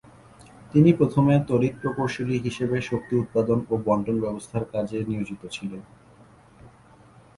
তিনি প্রথমে তড়িৎ প্রকৌশলী হিসেবে শক্তি উৎপাদন ও বণ্টন ব্যবস্থার কাজে নিয়োজিত ছিলেন।